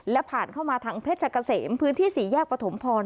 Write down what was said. และผ่านเข้ามาทางเพชรกะเสมพื้นที่สี่แยกปฐมพร